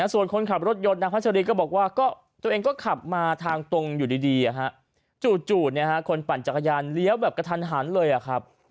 ส่วนคนขับรถยนต์นางพัชรีก็บอกว่าตัวเองก็ขับมาทางตรงอยู่ดีจู่คนปั่นจักรยานเลี้ยวแบบกระทันหันเลยครับ